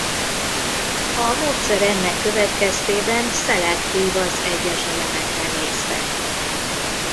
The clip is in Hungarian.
A módszer ennek következtében szelektív az egyes elemekre nézve.